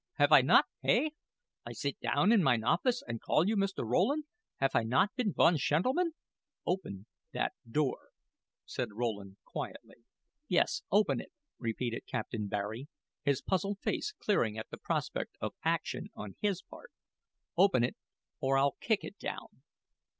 Haf I not, hey? I sit you down in mine office and call you Mr. Rowland. Haf I not been one shentleman?" "Open that door," said Rowland, quietly. "Yes, open it," repeated Captain Barry, his puzzled face clearing at the prospect of action on his part. "Open it or I'll kick it down."